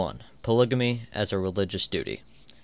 Polygamy as a Religious Duty.